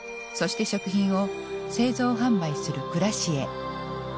そして食品を製造・販売するクラシエ。